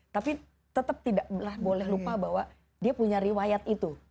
tapi tetap tidak boleh lupa bahwa dia punya riwayat itu